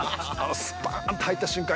スパーンと入った瞬間